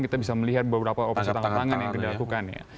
kita bisa melihat beberapa operasi tanggap tangan yang dilakukan